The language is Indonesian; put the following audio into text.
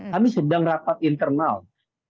kami sedang rapat internal